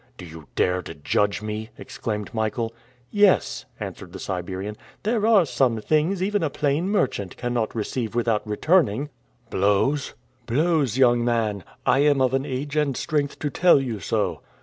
"Do you dare to judge me?" exclaimed Michael. "Yes," answered the Siberian, "there are some things even a plain merchant cannot receive without returning." "Blows?" "Blows, young man. I am of an age and strength to tell you so."